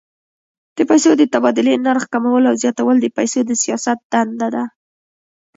د پیسو د تبادلې نرخ کمول او زیاتول د پیسو د سیاست دنده ده.